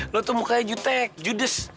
lo tuh mukanya jutek judes